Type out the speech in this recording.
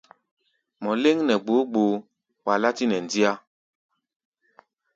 Mɔ léŋ nɛ gboó gboó, wa látí nɛ ndíá.